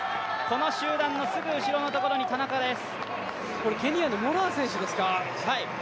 この集団のすぐ後ろのところに田中です。